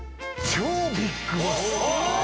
超ビッグボス。